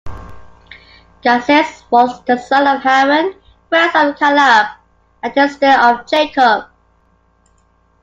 Gazez was the son of Haran, grandson of Caleb, a descendent of Jacob.